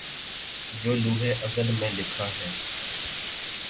جو لوح ازل میں لکھا ہے